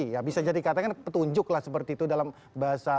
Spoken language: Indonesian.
ya bisa jadi katanya petunjuk lah seperti itu dalam bahasa